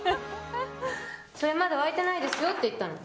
それまだ沸いてないですよって言ったの。